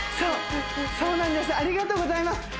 ありがとうございます